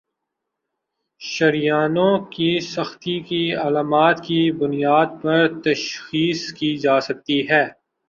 شریانوں کی سختی کی علامات کی بنیاد پر تشخیص کی جاسکتی ہے